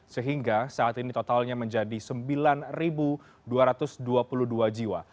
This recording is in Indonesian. sehingga saat ini totalnya menjadi sembilan dua ratus dua puluh dua jiwa